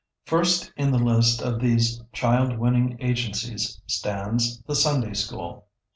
] First in the list of these child winning agencies stands the Sunday School.